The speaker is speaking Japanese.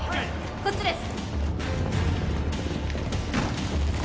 こっちです